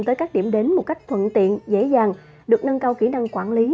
tới các điểm đến một cách thuận tiện dễ dàng được nâng cao kỹ năng quản lý